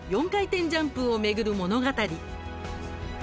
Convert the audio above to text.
４回転ジャンプを巡る物語。